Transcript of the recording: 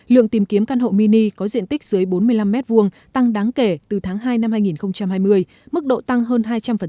lượng tìm kiếm căn hộ mini có diện tích dưới bốn mươi năm m hai tăng đáng kể từ tháng hai năm hai nghìn hai mươi mức độ tăng hơn hai trăm linh